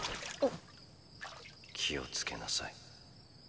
あ⁉・気を付けなさい。